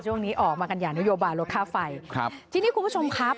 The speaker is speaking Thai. ช่วงนี้ออกมากันอย่างนโยบายลดค่าไฟครับทีนี้คุณผู้ชมครับ